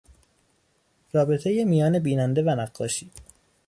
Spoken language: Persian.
رابطهی میان بیننده و نقاشی